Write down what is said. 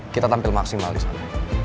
kita tampil maksimal disana